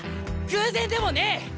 偶然でもねえ。